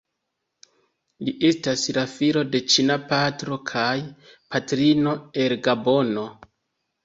Li estas la filo de ĉina patro kaj patrino el Gabono.